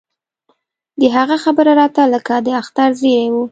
د هغه خبره راته لکه د اختر زېرى و.